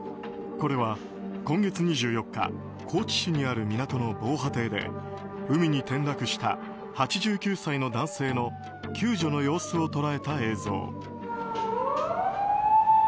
これは今月２４日高知市にある海の防波堤で海に転落した８９歳の男性の救助の様子を捉えた映像。